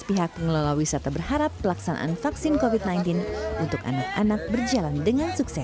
pihak pengelola wisata berharap pelaksanaan vaksin covid sembilan belas untuk anak anak berjalan dengan sukses